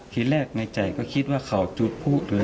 คิดแรกในใจก็คิดว่าเขาจุดพลุ